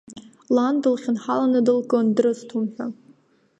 Лан дылхьынҳаланы дылкын, дрысҭом ҳәа.